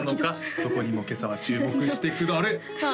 そこにも今朝は注目してあれ？